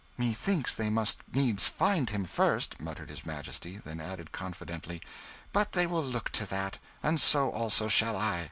"Methinks they must needs find him first," muttered his Majesty; then added, confidently, "but they will look to that and so also shall I."